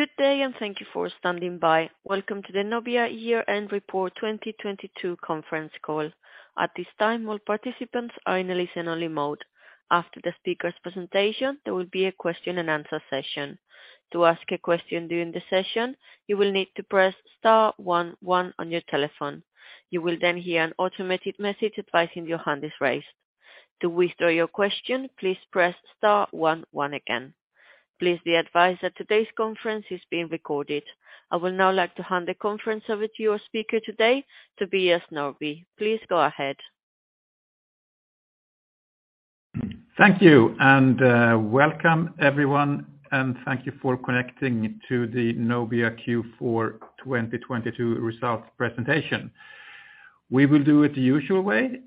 Good day, and thank you for standing by. Welcome to the Nobia year end report 2022 conference call. At this time, all participants are in a listen-only mode. After the speaker's presentation, there will be a question and answer session. To ask a question during the session, you will need to press star one one on your telephone. You will then hear an automated message advising your hand is raised. To withdraw your question, please press star one one again. Please be advised that today's conference is being recorded. I will now like to hand the conference over to your speaker today, Tobias Norrby. Please go ahead. Thank you, welcome everyone, and thank you for connecting to the Nobia Q4 2022 results presentation. We will do it the usual way,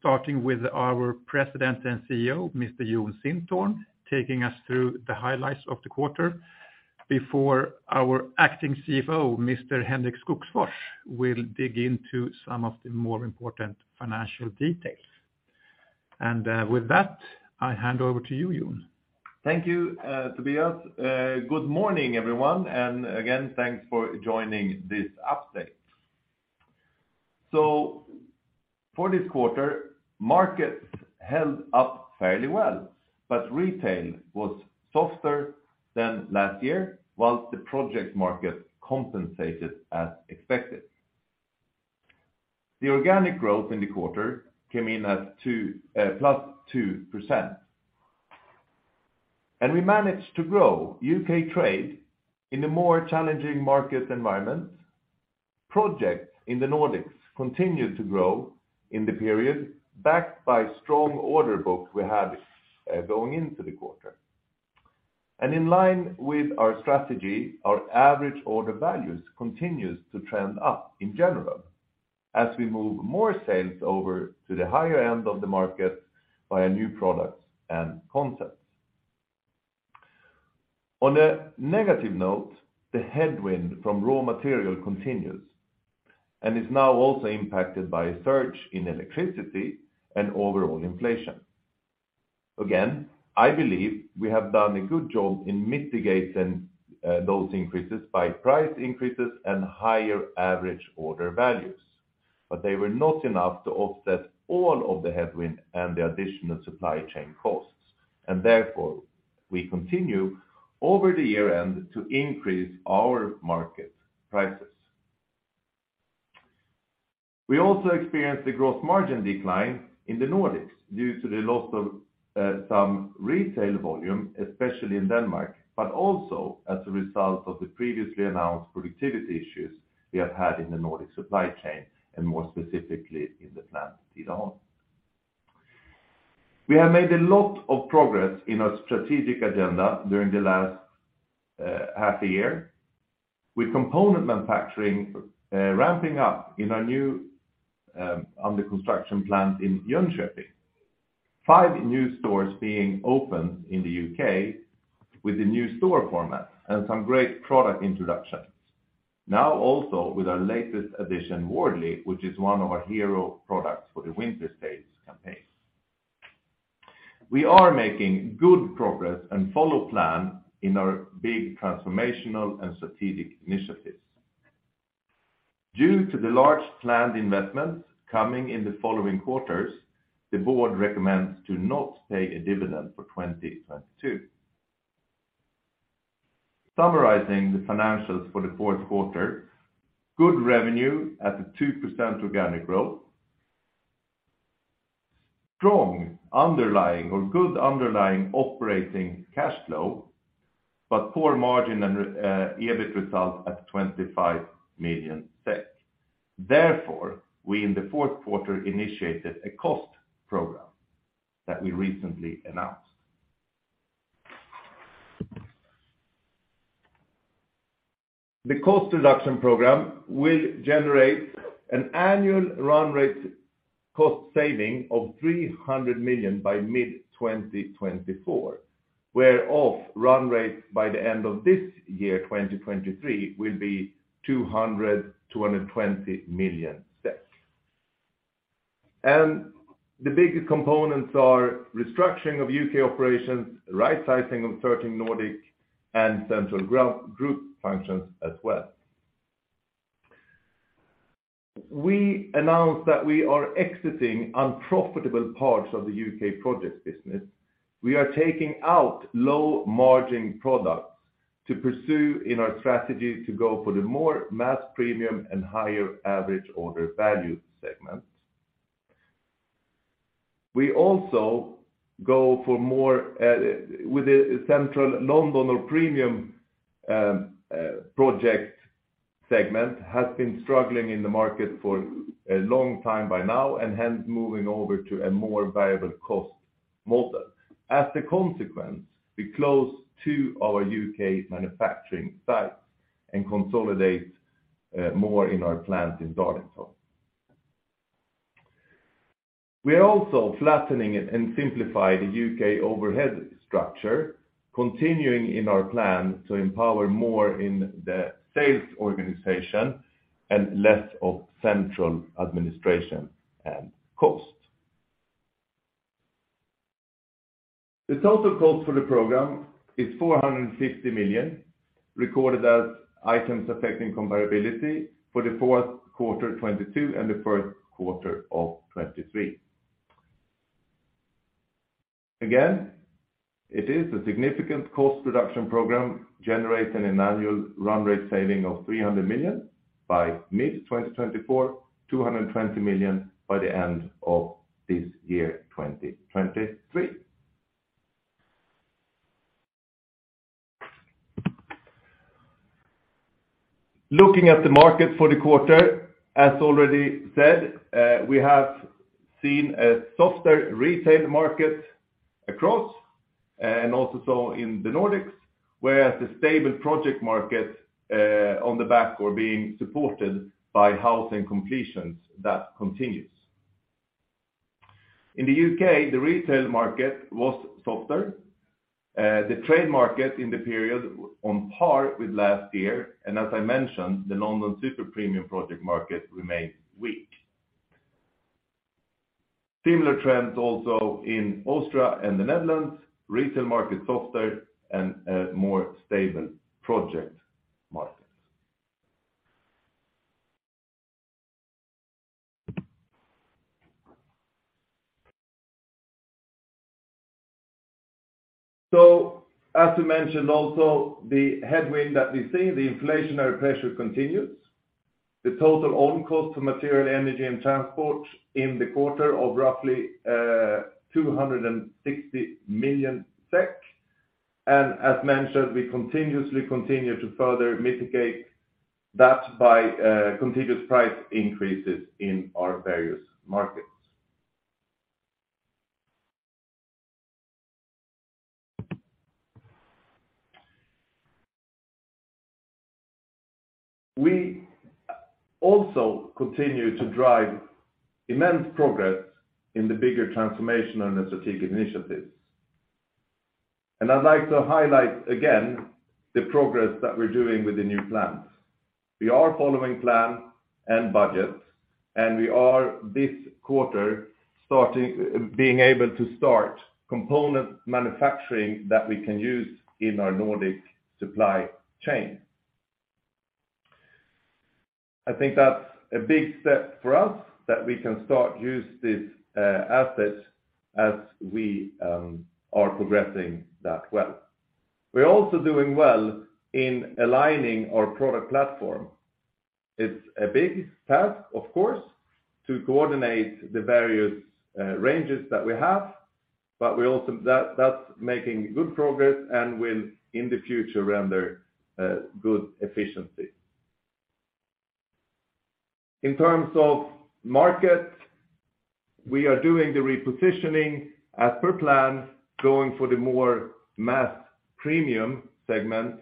starting with our President and CEO, Mr. Jon Sintorn, taking us through the highlights of the quarter before our Acting CFO, Mr. Henrik Skogsfors, will dig into some of the more important financial details. With that, I hand over to you Jon. Thank you, Tobias. Good morning everyone, and again, thanks for joining this update. For this quarter, markets held up fairly well, but retail was softer than last year, whilst the project market compensated as expected. The organic growth in the quarter came in at +2%. We managed to grow U.K. trade in a more challenging market environment. Projects in the Nordics continued to grow in the period backed by strong order book we had going into the quarter. In line with our strategy, our average order values continues to trend up in general as we move more sales over to the higher end of the market via new products and concepts. On a negative note, the headwind from raw material continues and is now also impacted by a surge in electricity and overall inflation. I believe we have done a good job in mitigating those increases by price increases and higher average order values. They were not enough to offset all of the headwind and the additional supply chain costs. We continue over the year end to increase our market prices. We also experienced a gross margin decline in the Nordics due to the loss of some retail volume, especially in Denmark, but also as a result of the previously announced productivity issues we have had in the Nordic supply chain, and more specifically in the plant. We announced that we are exiting unprofitable parts of the U.K. project business. We are taking out low margin products to pursue in our strategy to go for the more mass premium and higher average order value segment. We also go for more with the central London or premium project segment has been struggling in the market for a long time by now and hence moving over to a more viable cost model. As a consequence, we close two our U.K. manufacturing sites and consolidate more in our plant in Darlington. We are also flattening and simplify the U.K. overhead structure, continuing in our plan to empower more in the sales organization and less of central administration and cost. The total cost for the program is 450 million, recorded as items affecting comparability for the fourth quarter 2022 and the first quarter of 2023. It is a significant cost reduction program generating an annual run rate saving of 300 million by mid-2024, 220 million by the end of this year, 2023. Looking at the market for the quarter, as already said, we have seen a softer retail market across, and also so in the Nordics, whereas the stable project market on the back or being supported by housing completions that continues. In the U.K., the retail market was softer. The trade market in the period on par with last year, and as I mentioned, the London super premium project market remains weak. Similar trends also in Austria and the Netherlands, retail market softer and a more stable project markets. As we mentioned also, the headwind that we see, the inflationary pressure continues. The total own cost for material, energy, and transport in the quarter of roughly 260 million SEK. As mentioned, we continuously continue to further mitigate that by continuous price increases in our various markets. We also continue to drive immense progress in the bigger transformation and the strategic initiatives. I'd like to highlight again the progress that we're doing with the new plans. We are following plan and budget, and we are this quarter being able to start component manufacturing that we can use in our Nordic supply chain. I think that's a big step for us that we can start use this asset as we are progressing that well. We're also doing well in aligning our product platform. It's a big task, of course, to coordinate the various ranges that we have but that's making good progress and will, in the future, render good efficiency. In terms of market, we are doing the repositioning as per plan, going for the more mass premium segment,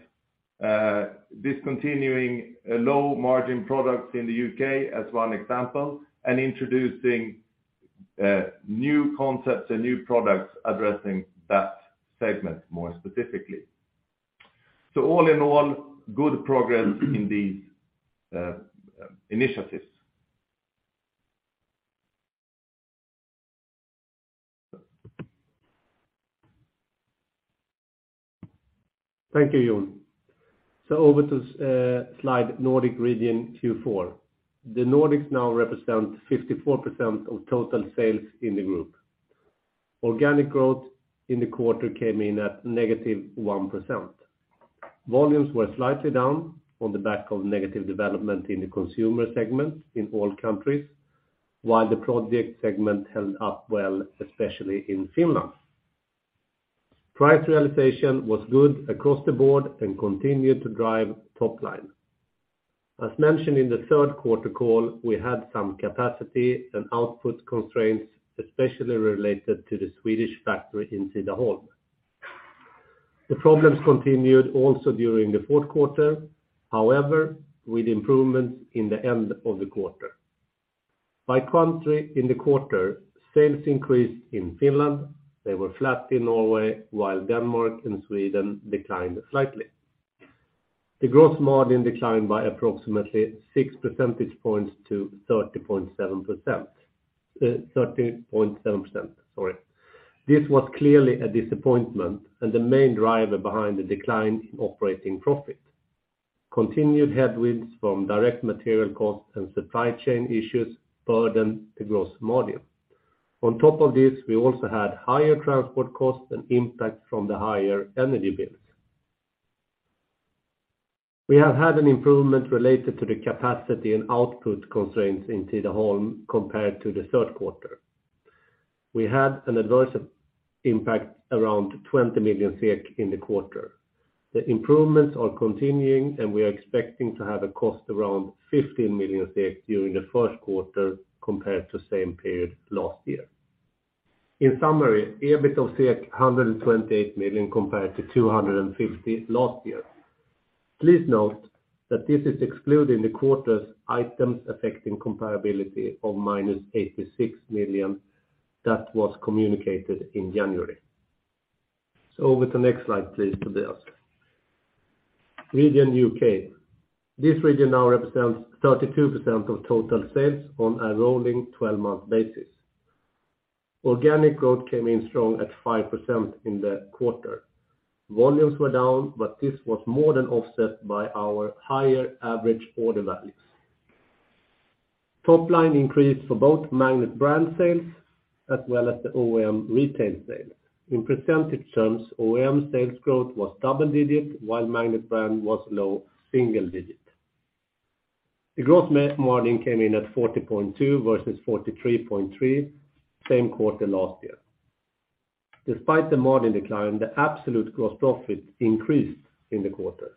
discontinuing low-margin products in the U.K. as one example, and introducing new concepts and new products addressing that segment more specifically. All in all, good progress in these initiatives. Thank you, Jon. Over to slide Nordic region Q4. The Nordics now represent 54% of total sales in the group. Organic growth in the quarter came in at -1%. Volumes were slightly down on the back of negative development in the consumer segment in all countries, while the project segment held up well, especially in Finland. Price realization was good across the board and continued to drive top line. As mentioned in the third quarter call, we had some capacity and output constraints, especially related to the Swedish factory in Tidaholm. The problems continued also during the fourth quarter. However, with improvements in the end of the quarter. By country in the quarter, sales increased in Finland, they were flat in Norway, while Denmark and Sweden declined slightly. The gross margin declined by approximately 6 percentage points to 13.7%. This was clearly a disappointment and the main driver behind the decline in operating profit. Continued headwinds from direct material costs and supply chain issues burdened the gross margin. On top of this, we also had higher transport costs and impact from the higher energy bills. We have had an improvement related to the capacity and output constraints in Tidaholm compared to the third quarter. We had an adverse impact around 20 million SEK in the quarter. The improvements are continuing, and we are expecting to have a cost around 15 million during the first quarter compared to same period last year. In summary, EBIT of 128 million compared to 250 million last year. Please note that this is excluding the quarter's items affecting comparability of minus 86 million that was communicated in January. Over to the next slide, please, Tobias Norrby. Region U.K., this region now represents 32% of total sales on a rolling 12-month basis. Organic growth came in strong at 5% in the quarter. Volumes were down, this was more than offset by our higher average order values. Top line increased for both Magnet brand sales as well as the OEM retail sale. In percentage terms, OEM sales growth was double digit, while Magnet brand was low single digit. The gross margin came in at 40.2% versus 43.3% same quarter last year. Despite the margin decline, the absolute gross profit increased in the quarter.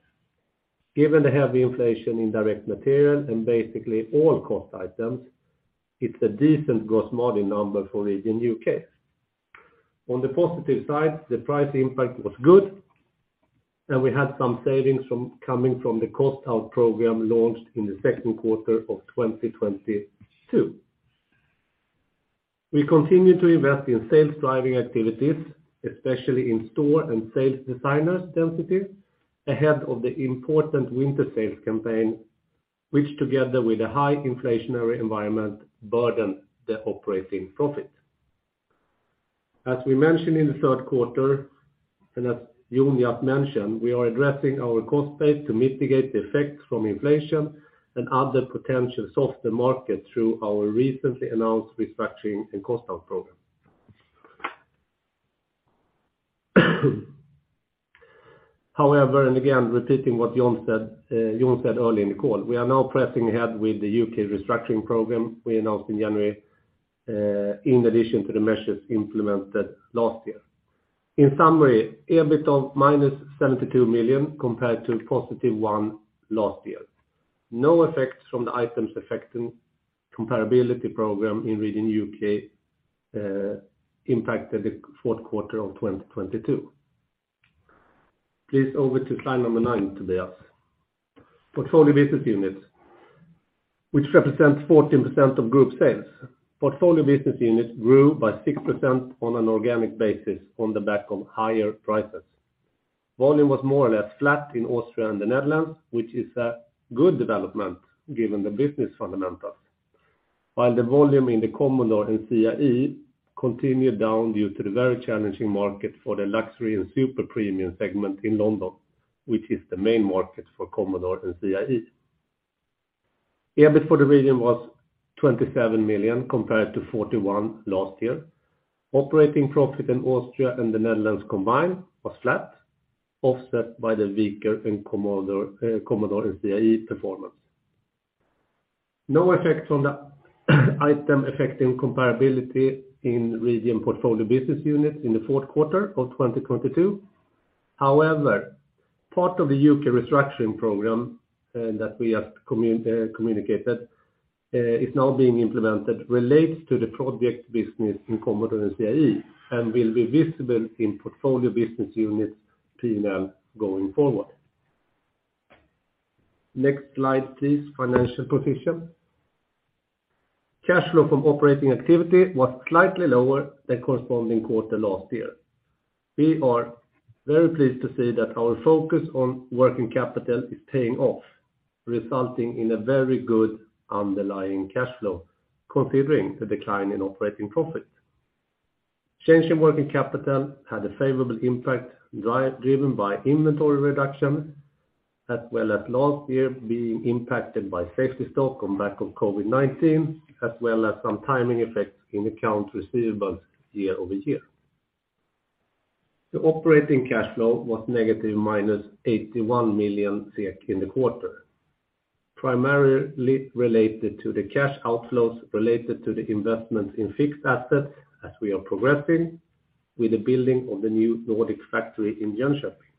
Given the heavy inflation in direct material and basically all cost items, it's a decent gross margin number for Region U.K. On the positive side, the price impact was good, and we had some savings coming from the cost out program launched in the second quarter of 2022. We continue to invest in sales driving activities, especially in store and sales designer density, ahead of the important winter sales campaign, which together with a high inflationary environment, burden the operating profit. As we mentioned in the third quarter, and as Jon just mentioned, we are addressing our cost base to mitigate the effects from inflation and other potential softer market through our recently announced restructuring and cost out program. However, and again repeating what Jon said earlier in the call, we are now pressing ahead with the U.K. restructuring program we announced in January, in addition to the measures implemented last year. EBIT of -72 million compared to +1 last year. No effects from the items affecting comparability program in region U.K. impacted the fourth quarter of 2022. Please over to slide number nine, Tobias. Portfolio business units, which represents 14% of group sales. Portfolio business units grew by 6% on an organic basis on the back of higher prices. Volume was more or less flat in Austria and the Netherlands, which is a good development given the business fundamentals. While the volume in the Commodore and CIE continued down due to the very challenging market for the luxury and super premium segment in London, which is the main market for Commodore and CIE. EBIT for the region was 27 million compared to 41 last year. Operating profit in Austria and the Netherlands combined was flat, offset by the weaker Commodore and CIE performance. No effect on the item affecting comparability in region portfolio business units in the fourth quarter of 2022. Part of the U.K. restructuring program that we have communicated is now being implemented relates to the project business in Commodore and CIE, and will be visible in portfolio business units P&L going forward. Next slide, please. Financial position. Cash flow from operating activity was slightly lower than corresponding quarter last year. We are very pleased to see that our focus on working capital is paying off, resulting in a very good underlying cash flow considering the decline in operating profit. Change in working capital had a favorable impact driven by inventory reduction, as well as last year being impacted by safety stock on back of COVID-19, as well as some timing effects in accounts receivables year-over-year. The operating cash flow was -81 million SEK in the quarter, primarily related to the cash outflows related to the investments in fixed assets as we are progressing with the building of the new Nordic factory in Jönköping.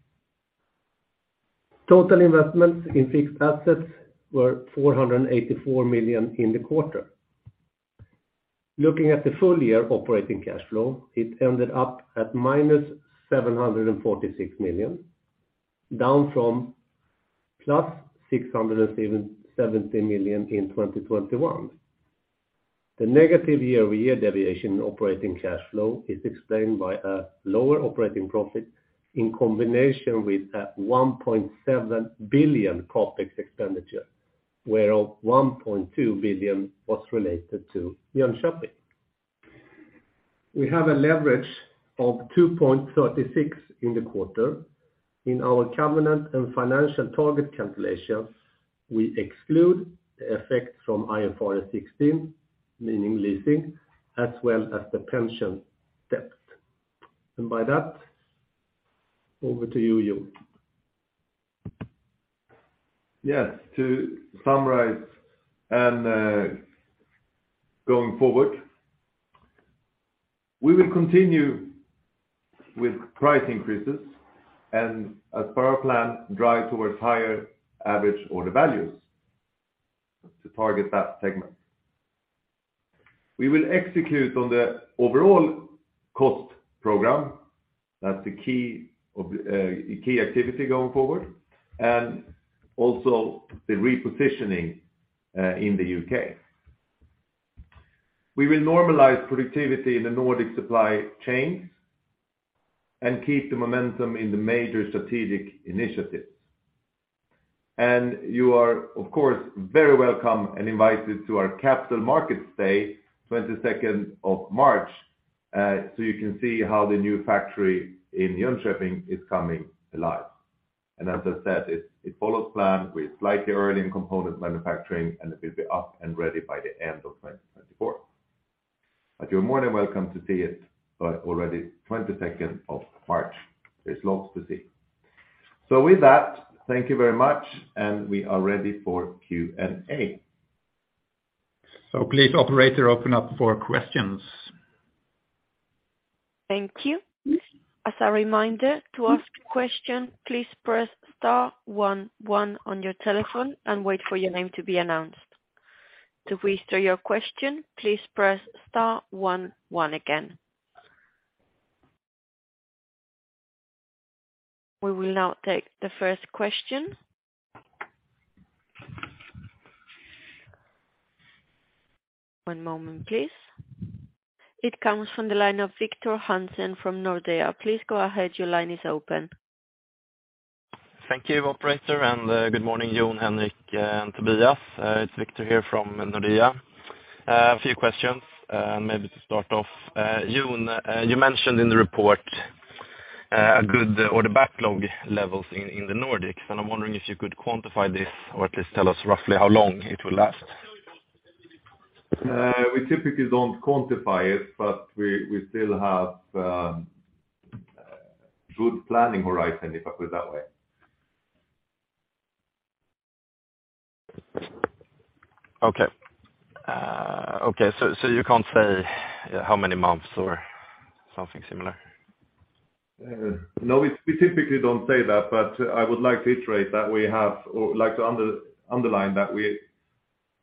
Total investments in fixed assets were 484 million in the quarter. Looking at the full year operating cash flow, it ended up at -746 million, down from +670 million in 2021. The negative year-over-year deviation in operating cash flow is explained by a lower operating profit in combination with a 1.7 billion CapEx expenditure, where all 1.2 billion was related to Jönköping. We have a leverage of 2.36x in the quarter. In our covenant and financial target calculations, we exclude the effect from IFRS 16, meaning leasing, as well as the pension debt. By that, over to you, Jon. Yes, to summarize, going forward, we will continue with price increases and as per our plan, drive towards higher average order values to target that segment. We will execute on the overall cost program. That's the key of key activity going forward, also the repositioning in the U.K. We will normalize productivity in the Nordic supply chains and keep the momentum in the major strategic initiatives. You are, of course, very welcome and invited to our Capital Markets Day, 22nd of March, so you can see how the new factory in Jönköping is coming alive. As I said, it follows plan with slightly early in component manufacturing, and it will be up and ready by the end of 2024. You're more than welcome to see it, but already 22nd of March. There's lots to see. With that, thank you very much, and we are ready for Q&A. Please, operator open up for questions. Thank you. As a reminder to ask a question, please press star one one on your telephone and wait for your name to be announced. To restore your question, please press star one one again. We will now take the first question. One moment, please. It comes from the line of Victor Hansen from Nordea. Please go ahead. Your line is open. Thank you, operator. Good morning, Jon, Henrik, and Tobias. It's Victor here from Nordea. A few questions, maybe to start off. Jon, you mentioned in the report, a good or the backlog levels in the Nordics, and I'm wondering if you could quantify this or at least tell us roughly how long it will last? We typically don't quantify it but we still have good planning horizon, if I put it that way. Okay. You can't say how many months or something similar? No, we typically don't say that but I would like to iterate that we have or like to underline that we,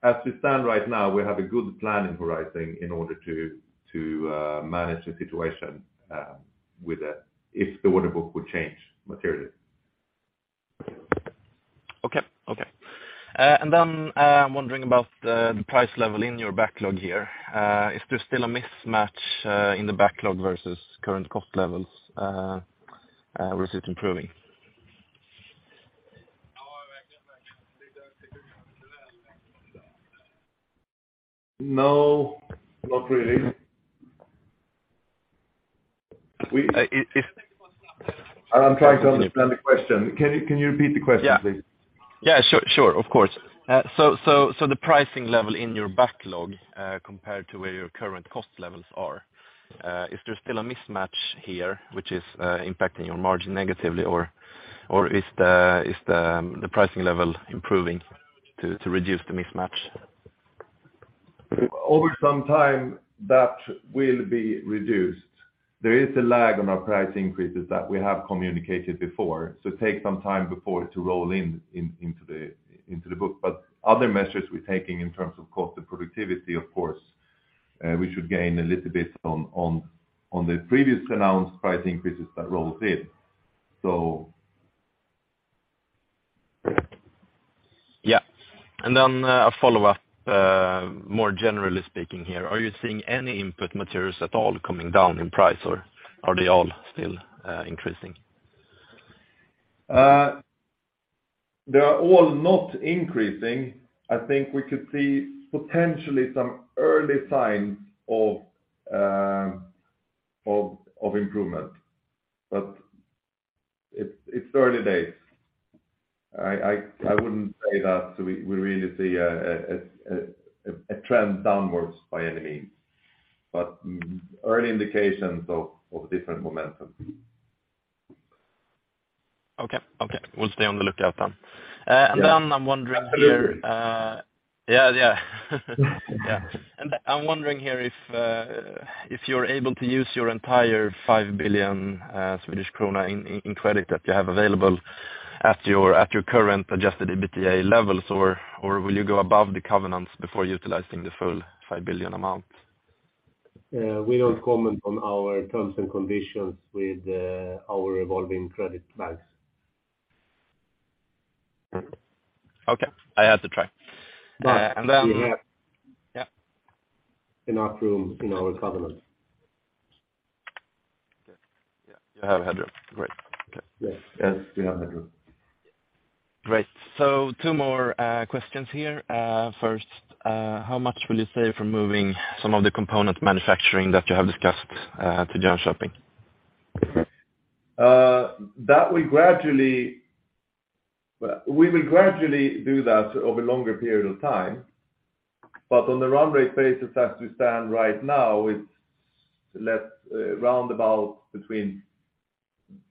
as we stand right now, we have a good planning horizon in order to manage the situation with it if the order book would change materially. Okay. Okay. I'm wondering about the price level in your backlog here. Is there still a mismatch in the backlog versus current cost levels? Was it improving? No, not really. If? I'm trying to understand the question. Can you repeat the question, please? Yeah. Sure. Of course. The pricing level in your backlog, compared to where your current cost levels are, is there still a mismatch here which is impacting your margin negatively? Or is the pricing level improving to reduce the mismatch? Over some time, that will be reduced. There is a lag on our price increases that we have communicated before, so take some time before to roll into the book. Other measures we're taking in terms of cost and productivity, of course. We should gain a little bit on the previous announced price increases that rolls in. Yeah. A follow-up, more generally speaking here, are you seeing any input materials at all coming down in price, or are they all still increasing? They are all not increasing. I think we could see potentially some early signs of improvement, but it's early days. I wouldn't say that we really see a trend downwards by any means, but early indications of different momentum. Okay. Okay. We'll stay on the lookout then. Yeah. Then I'm wondering here. Early. Yeah. Yeah. Yeah. I'm wondering here if you're able to use your entire 5 billion Swedish krona in credit that you have available at your current adjusted EBITDA levels, or will you go above the covenants before utilizing the full 5 billion amount? We don't comment on our terms and conditions with our revolving credit banks. Okay. I had to try. But we have enough room in our covenants. Okay. Yeah. You have headroom. Great. Okay. Yes. Yes, we have headroom. Great. Two more questions here. First, how much will you save from moving some of the component manufacturing that you have discussed to Jönköping? We will gradually do that over longer period of time. On the run rate basis, as we stand right now, it's less round about between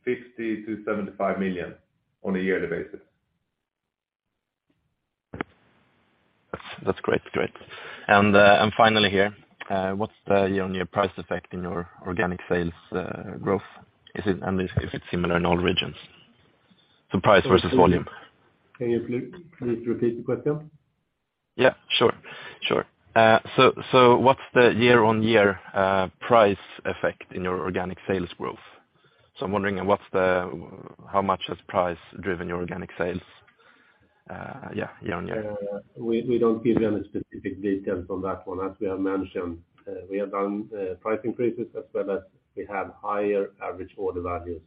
50 million-75 million on a yearly basis. That's great. Great. Finally here, what's the year-on-year price effect in your organic sales, growth? Is it similar in all regions? The price versus volume. Can you please repeat the question? Yeah. Sure. Sure. What's the year-on-year price effect in your organic sales growth? I'm wondering how much has price driven your organic sales? We don't give you any specific details on that one. As we have mentioned, we have done price increases as well as we have higher average order values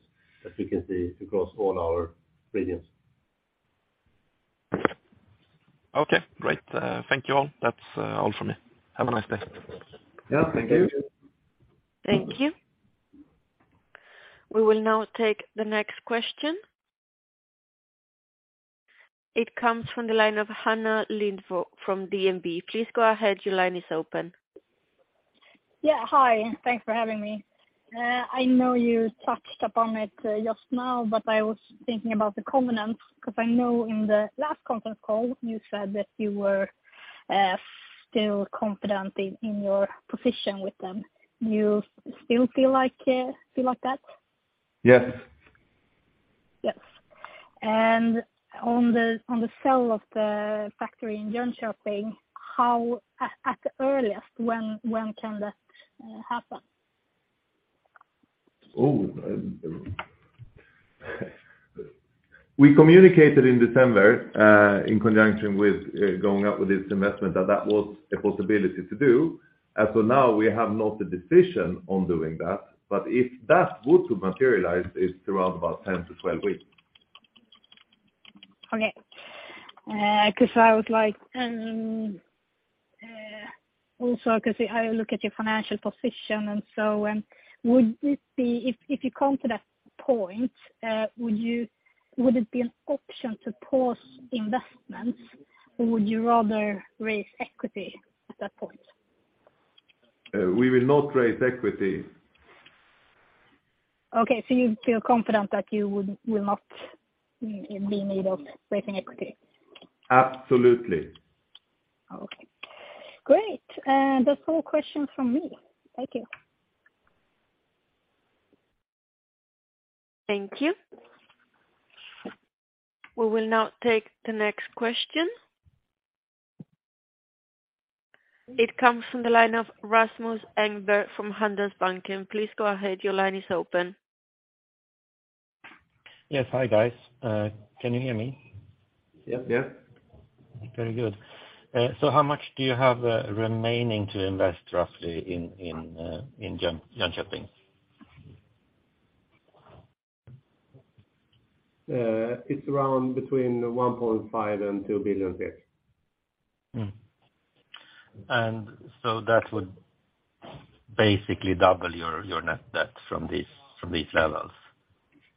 as you can see across all our regions. Okay, great. Thank you all. That's all from me. Have a nice day. Yeah. Thank you. Thank you. We will now take the next question. It comes from the line of Hanna Lindbo from DNB. Please go ahead. Your line is open. Yeah, hi. Thanks for having me. I know you touched upon it just now, but I was thinking about the covenants because I know in the last conference call you said that you were still confident in your position with them. Do you still feel like that? Yes. Yes. On the sale of the factory in Jönköping, at the earliest, when can that happen? We communicated in December in conjunction with going out with this investment that that was a possibility to do. As for now, we have not a decision on doing that. If that's good to materialize, it's around about 10-12 weeks. Okay. 'cause I would like, also 'cause I look at your financial position and so, If you come to that point, would it be an option to pause investments or would you rather raise equity at that point? We will not raise equity. Okay. You feel confident that you will not need of raising equity? Absolutely. Okay. Great. That's all questions from me. Thank you. Thank you. We will now take the next question. It comes from the line of Rasmus Engberg from Handelsbanken. Please go ahead. Your line is open. Yes. Hi, guys. Can you hear me? Yep. Very good. How much do you have remaining to invest roughly in Jönköping? It's around between 1.5 billion and 2 billion. That would basically double your net debt from these levels?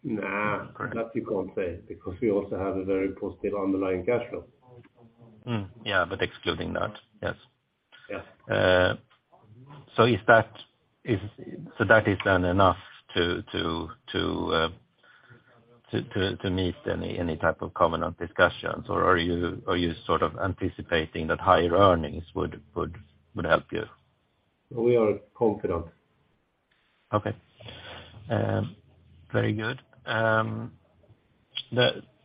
Nah. Okay. That you can't say because we also have a very positive underlying cash flow. Yeah, excluding that. Yes. Yes. That is then enough to meet any type of covenant discussions, or are you sort of anticipating that higher earnings would help you? We are confident. Okay. Very good.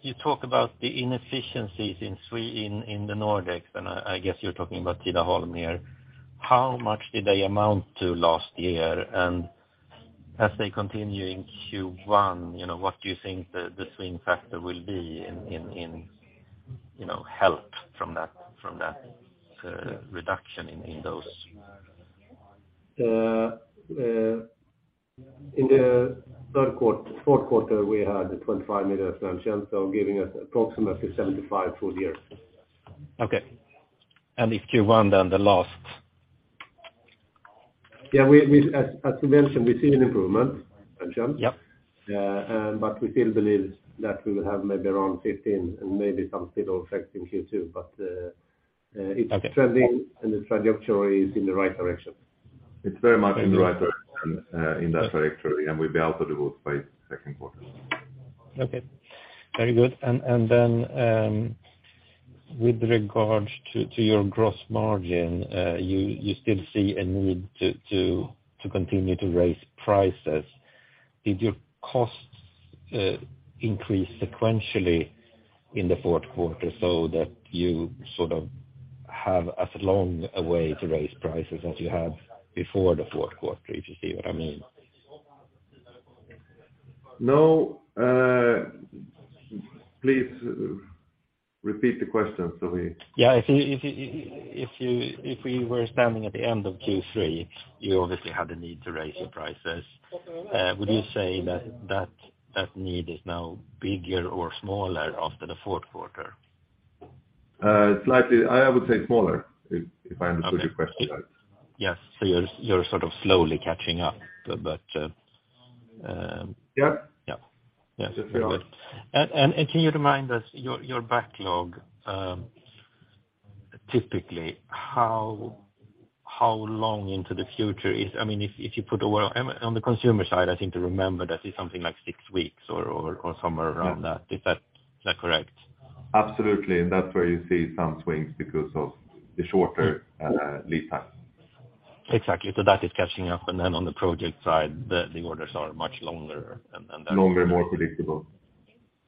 You talk about the inefficiencies in the Nordics, and I guess you're talking about Tidaholm here. How much did they amount to last year? As they continue in Q1, you know, what do you think the swing factor will be, you know, help from that reduction in those? In the fourth quarter, we had 25 million, so giving us approximately 75 million full year. Okay. If Q1, then the last? Yeah. As we mentioned, we've seen an improvement in Swedish Krona. Yep. We still believe that we will have maybe around 15 and maybe some little effect in Q2. Okay. It's trending and the trajectory is in the right direction. It's very much in the right direction, in that trajectory, and we'll be able to devote by second quarter. Okay. Very good. Then, with regard to your gross margin, you still see a need to continue to raise prices. Did your costs increase sequentially in the fourth quarter so that you sort of have as long a way to raise prices as you have before the fourth quarter, if you see what I mean? No. please repeat the question. Yeah. If we were standing at the end of Q3, you obviously had a need to raise your prices. Would you say that need is now bigger or smaller after the Q4? Slightly, I would say smaller, if I understood your question right. Yes. You're sort of slowly catching up, but. Yeah. Yeah. Yeah. Very good. If you ask. Can you remind us your backlog, typically how long into the future is? I mean, if you put over on the consumer side, I seem to remember that it's something like six weeks or somewhere around that. Is that correct? Absolutely. That's where you see some swings because of the shorter lead time. Exactly. That is catching up and then on the project side, the orders are much longer and then. Longer, more predictable.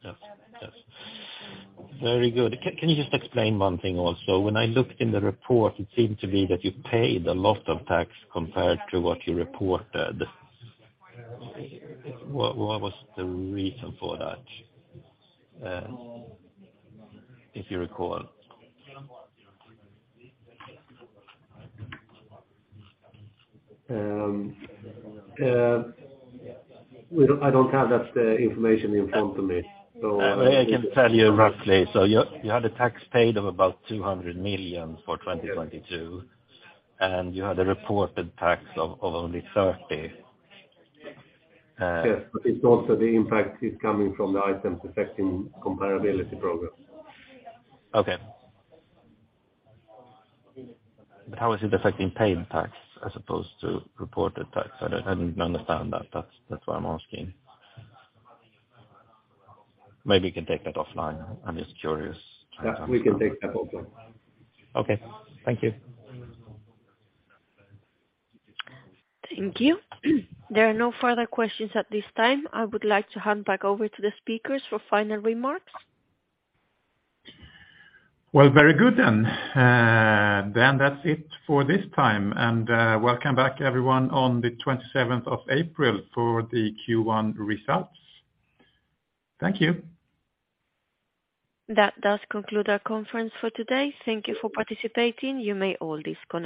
Yes. Yes. Very good. Can you just explain one thing also? When I look in the report, it seemed to be that you paid a lot of tax compared to what you reported. What was the reason for that, if you recall? I don't have that information in front of me. I can tell you roughly. You had a tax paid of about 200 million for 2022. Yes. You had a reported tax of only 30 million. Yes, it's also the impact is coming from the items affecting comparability program. Okay. How is it affecting paid tax as opposed to reported tax? I didn't understand that. That's why I'm asking. Maybe you can take that offline. I'm just curious to understand that. Yeah, we can take that offline. Okay. Thank you. Thank you. There are no further questions at this time. I would like to hand back over to the speakers for final remarks. Well, very good then. That's it for this time, welcome back everyone on the 27th of April for the Q1 results. Thank you. That does conclude our conference for today. Thank you for participating. You may all disconnect.